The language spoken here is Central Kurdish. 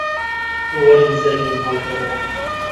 وەرن جەرگم هەڵدڕن